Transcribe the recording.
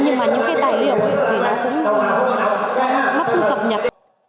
nhưng mà những cái tài liệu thì nó cũng không cập nhật